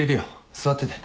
座ってて。